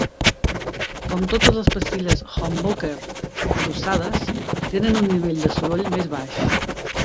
Com totes les pastilles humbucker adossades, tenen un nivell de soroll més baix.